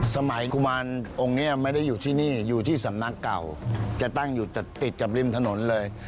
กุมารองค์นี้ไม่ได้อยู่ที่นี่อยู่ที่สำนักเก่าจะตั้งอยู่ติดกับริมถนนเลย